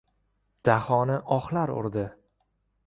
Dahoni ohlar urdi.